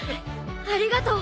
ありがとう。